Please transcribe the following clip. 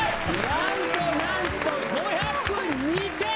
なんとなんと５０２点！